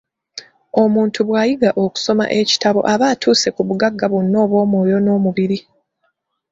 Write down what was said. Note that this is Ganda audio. Omuntu bw'ayiga okusoma ekitabo aba atuuse ku bugagga bwonna obw'omwoyo n'omubiri.